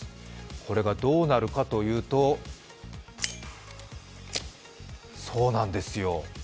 これがどうなるかというとそうなんですよ。